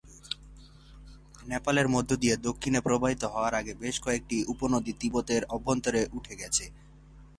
নেপালের মধ্য দিয়ে দক্ষিণে প্রবাহিত হওয়ার আগে বেশ কয়েকটি উপনদী তিব্বতের অভ্যন্তরে উঠে গেছে।